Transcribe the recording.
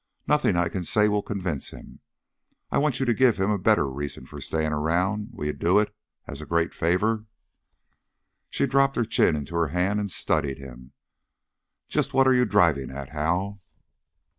Nothing I can say will convince him. I want you to give him a better reason for staying around. Will you do it as a great favor?" She dropped her chin into her hand and studied him. "Just what are you driving at, Hal?"